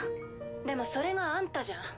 でもそれがあんたじゃん。